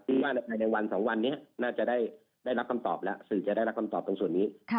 ว่าภายในวัน๒วันนี้น่าจะได้รับคำตอบแล้วสื่อจะได้รับคำตอบตรงส่วนนี้